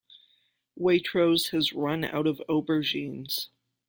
Waitrose has run out of aubergines